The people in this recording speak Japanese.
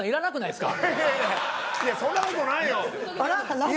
いやそんな事ないよ。